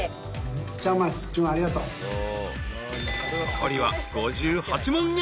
［残りは５８万円。